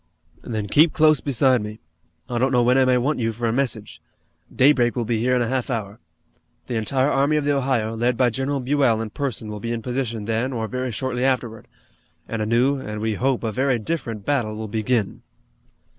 "Then keep close beside me. I don't know when I may want you for a message. Daybreak will be here in a half hour. The entire Army of the Ohio, led by General Buell in person will be in position then or very shortly afterward, and a new, and, we hope, a very different battle will begin."